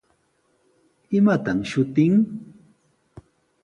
¿Imataq shutin?